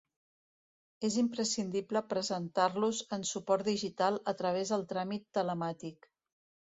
És imprescindible presentar-los en suport digital a través del tràmit telemàtic.